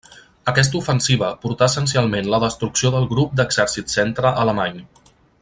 Aquesta ofensiva portà essencialment la destrucció del Grup d'Exèrcit Centre alemany.